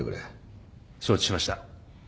承知しました。